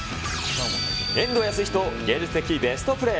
遠藤保仁・芸術的ベストプレー。